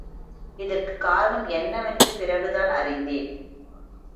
இதற்குக் காரணம் என்னவென்று பிறகுதான் அறிந்தேன்.